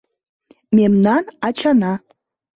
— Мемнан ачана.